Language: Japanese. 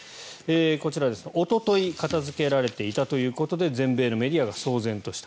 こちら、おととい片付けられていたということで全米のメディアが騒然とした。